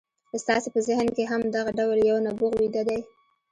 ستاسې په ذهن کې هم دغه ډول یو نبوغ ویده دی